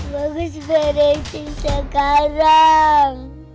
bagus beresin sekarang